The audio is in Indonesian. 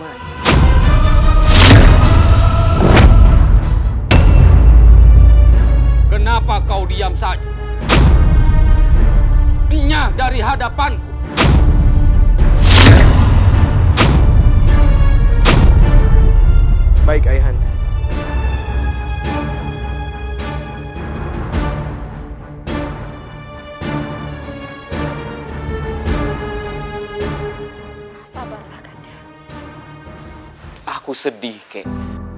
aku sedih kek